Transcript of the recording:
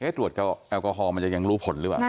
ตรวจแอลกอฮอลมันจะยังรู้ผลหรือเปล่า